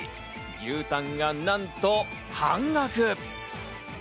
牛タンがなんと半額！